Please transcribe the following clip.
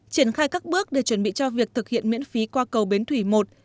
triển khai các bước để chuẩn bị cho việc thực hiện miễn phí qua cầu bến thủy một